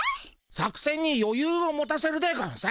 作せんによゆうを持たせるでゴンス。